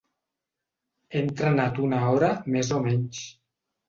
He entrenat una hora més o menys.